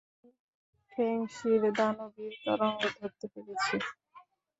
আমি ফেংশির দানবীয় তরঙ্গ ধরতে পেরেছি।